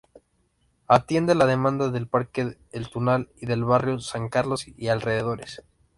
Atiende la demanda del Parque el Tunal y del barrio San Carlos y alrededores.